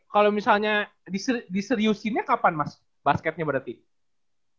mas tapi misalnya diseriusinnya kapan mas basketnya berarti